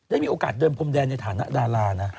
ได้มีโอกาสเดินพรมแดนในฐานะดารานะ